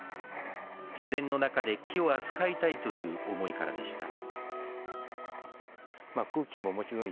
自然の中で木を扱いたいという思いからでした。